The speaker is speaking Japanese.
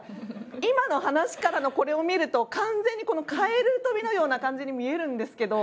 今の話からのこれを見ると完全にカエル跳びのように見えるんですけど。